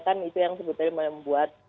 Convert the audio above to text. kan itu yang sebetulnya membuat